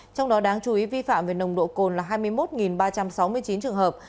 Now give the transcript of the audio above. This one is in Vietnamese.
trong đó đáng chú ý vi phạm về nồng độ cồn là hai mươi một ba trăm sáu mươi chín trường hợp